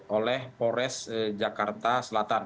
oleh pores jakarta selatan